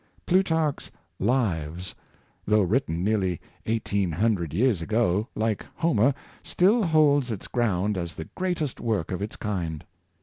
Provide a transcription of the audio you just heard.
Plutarch's " Lives," though written nearly eighteen hundred years ago, like Homer, still holds its ground as the greatest work of its kind.